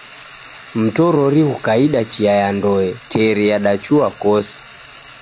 Mtorori ghukaida chia ya ndoe, teri yadachua kose